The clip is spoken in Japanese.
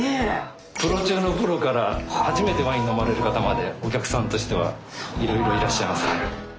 プロ中のプロから初めてワイン飲まれる方までお客さんとしてはいろいろいらっしゃいますね。